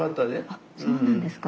あっそうなんですか。